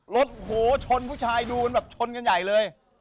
โหชนผู้ชายดูมันแบบชนกันใหญ่เลย